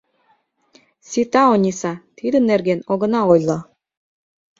Сита, Ониса, тидын нерген огына ойло.